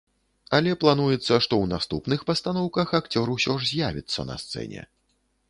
Але плануецца, што ў наступных пастаноўках акцёр усё ж з'явіцца на сцэне.